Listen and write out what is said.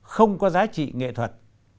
không có giá trị nghệ thuật